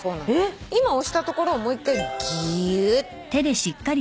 今押したところをもう１回ぎゅーっ！